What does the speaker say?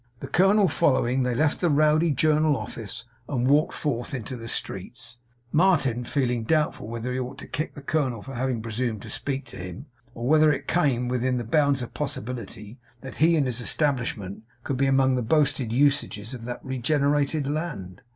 The colonel following, they left the Rowdy Journal Office and walked forth into the streets; Martin feeling doubtful whether he ought to kick the colonel for having presumed to speak to him, or whether it came within the bounds of possibility that he and his establishment could be among the boasted usages of that regenerated land.